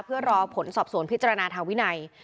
เพื่อรอผลสอบสวนพิจารณาทางวินัย